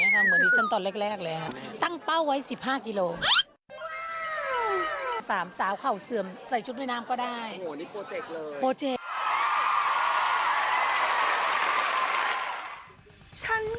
ลมมันเย็นค่ะคุณลมมันเย็นค่ะคุณ